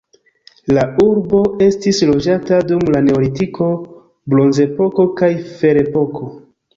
La urbo estis loĝata dum la neolitiko, bronzepoko kaj ferepoko.